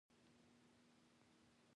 د هیواد بقا او ثبات لپاره اهمیت لري.